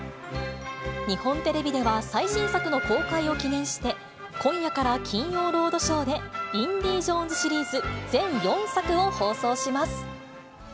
日本テレビでは最新作の公開を記念して、今夜から金曜ロードショーで、インディ・ジョーンズシリーズ全４作を放送します。